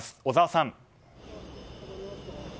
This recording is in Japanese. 小澤さん。